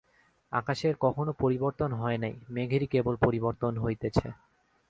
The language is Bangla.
আকাশের কখনও পরিবর্তন হয় নাই, মেঘেরই কেবল পরিবর্তন হইতেছে।